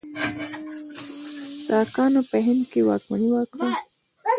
ساکانو په هند کې واکمني وکړه.